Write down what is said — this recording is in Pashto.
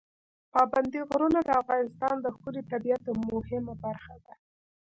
پابندي غرونه د افغانستان د ښکلي طبیعت یوه مهمه برخه ده.